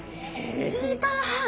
１時間半？